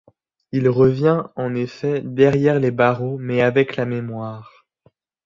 Il revient, en effet, derrière les barreaux, mais avec la mémoire.